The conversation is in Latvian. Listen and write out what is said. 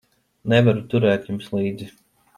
Nevaru turēt jums līdzi.